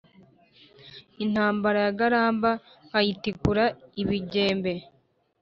Intambara yagaramba nkayitikura ibigembe